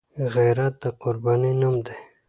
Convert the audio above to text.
غیرت د قربانۍ نوم دی